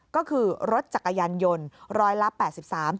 ก็คือรถจักรยานยนต์๑๘๓๐๙บาท